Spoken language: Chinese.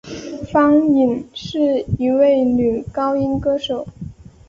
方颖是一位女高音歌手。